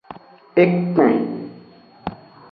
Ekpen.